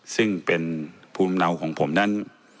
ซึ่งเป็นภูมิเนาของผมนั้น